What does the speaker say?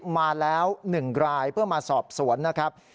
มาแล้ว๑รายเพื่อมาสอบสวนนะครับ